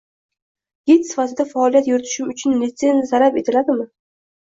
Gid sifatida faoliyat yuritishim uchun litsenziya talab etiladimi?